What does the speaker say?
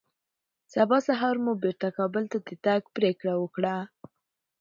سبا سهار مو بېرته کابل ته د تګ پرېکړه وکړه